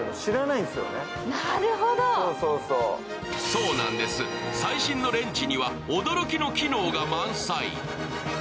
そうなんです、最新のレンジには驚きの機能が満載。